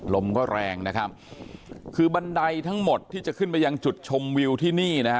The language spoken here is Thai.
ลมก็แรงนะครับคือบันไดทั้งหมดที่จะขึ้นไปยังจุดชมวิวที่นี่นะฮะ